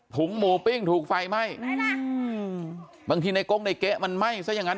ถุงหมูปิ้งถูกไฟไหม้บางทีในกรงในเกะมันไม่ซะอย่างนั้น